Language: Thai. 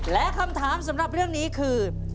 และคำถามสำหรับเรื่องนี้คือ